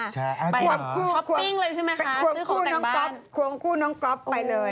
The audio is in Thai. ช้อปปิ้งเลยใช่ไหมคะซื้อโครงแต่งบ้านความคู่น้องก๊อฟความคู่น้องก๊อฟไปเลย